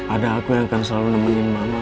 ada aku yang akan selalu nemenin mama